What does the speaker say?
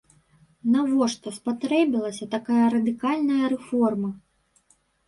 Навошта спатрэбілася такая радыкальная рэформа?